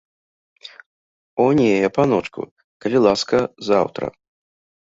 О не, паночку, калі ласка, заўтра!